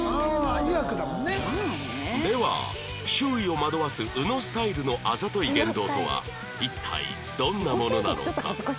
では周囲を惑わす宇野スタイルのあざとい言動とは一体どんなものなのか？